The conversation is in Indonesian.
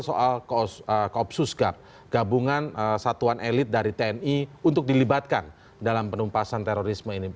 soal koopsus gap gabungan satuan elit dari tni untuk dilibatkan dalam penumpasan terorisme ini